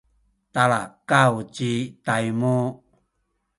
talakaw ci Taymu